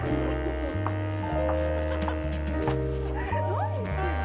何言ってんの？